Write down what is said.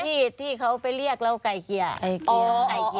ที่ที่เขาเรียกเราใกล้เกียร์